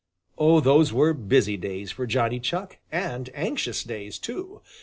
Oh, those were busy days for Johnny Chuck, and anxious days, too!